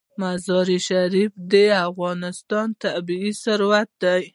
مزارشریف د افغانستان طبعي ثروت دی.